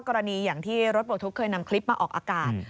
กรณีอย่างที่รถปลดทุกข์เคยนำคลิปมาออกอากาศ